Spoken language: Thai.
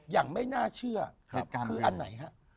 อย่างไม่น่าเชื่อคืออันไหนฮะ